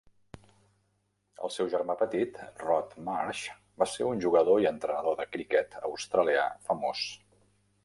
El seu germà petit, Rod Marsh, va ser un jugador i entrenador de criquet australià famós.